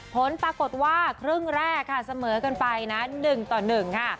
ผลปรากฎว่าครึ่งแรกเสมอเกินไปหนึ่งต่อหนึ่ง